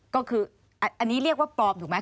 ก็คืออันนี้เรียกว่าปลอมถูกไหม